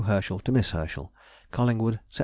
HERSCHEL TO MISS HERSCHEL. COLLINGWOOD, _Sept.